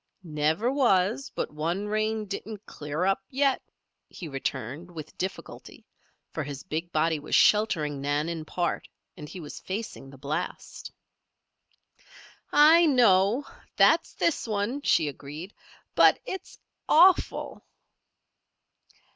"Never was, but one rain 't didn't clear up yet," he returned, with difficulty, for his big body was sheltering Nan in part, and he was facing the blast. "I know. That's this one," she agreed. "But, it's awful."